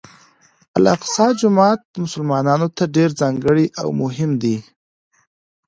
الاقصی جومات مسلمانانو ته ډېر ځانګړی او مهم دی.